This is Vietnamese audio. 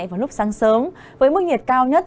vào lúc sáng sớm với mức nhiệt cao nhất